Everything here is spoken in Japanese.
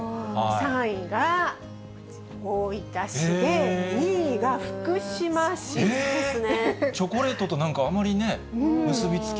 ３位が大分市で、２位が福島市ですね。